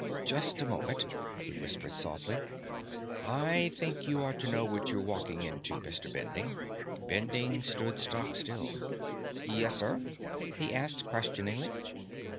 "Just a moment," he whispered softly. "I think you ought to know what you're walking in to, Mr. Bending." Bending stood stock still. "Yes, sir?" he asked, questioningly.